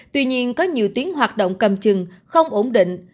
tuy nhiên có nhiều tuyến hoạt động cầm chừng không ổn định